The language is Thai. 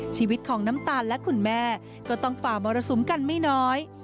ชีวิตของน้ำตาลและคุณแม่ก็ต้องฝ่ามรสุมกันไม่น้อย